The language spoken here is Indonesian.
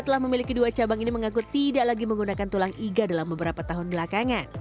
telah memiliki dua cabang ini mengaku tidak lagi menggunakan tulang iga dalam beberapa tahun belakangan